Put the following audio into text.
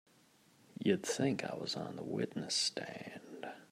You'd think I was on the witness stand!